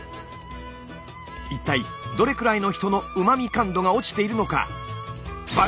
一体どれくらいの人のうま味感度が落ちているのか？